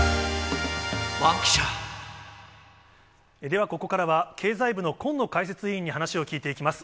ではここからは、経済部の近野解説委員に話を聞いていきます。